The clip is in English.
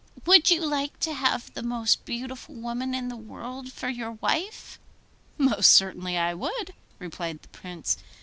Would you like to have the most beautiful woman in the world for your wife?' 'Most certainly I would,' replied the Prince.